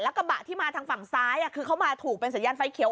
กระบะที่มาทางฝั่งซ้ายคือเขามาถูกเป็นสัญญาณไฟเขียว